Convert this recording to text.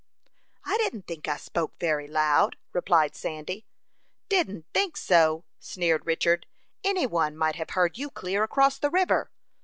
"I didn't think I spoke very loud," replied Sandy. "Didn't think so!" sneered Richard. "Any one might have heard you clear across the river."